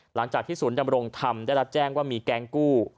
หลังจากที่ศูนย์ดำรงธรรมได้รับแจ้งว่ามีแก๊งกู้